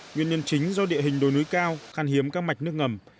nguyên nhân chính do địa hình đồi núi cao khan hiếm các mạch nước ngầm